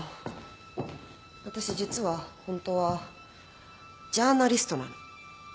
私実はホントはジャーナリストなの。